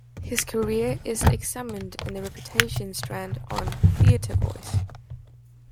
His career is examined in the Reputations strand on "TheatreVoice".